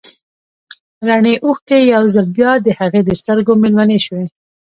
رڼې اوښکې يو ځل بيا د هغې د سترګو مېلمنې شوې.